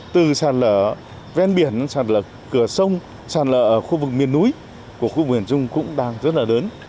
từ sạt lở ven biển sạt lở cửa sông sạt lở ở khu vực miền núi của khu vực miền trung cũng đang rất là lớn